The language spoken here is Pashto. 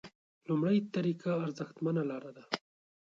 لومړۍ طریقه ارزښتمنه لاره ده.